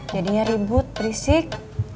jadinya ribut berisik